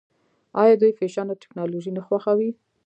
آیا دوی فیشن او ټیکنالوژي نه خوښوي؟